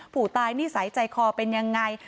ผู้ตายนิสัยใจคอเป็นยังไง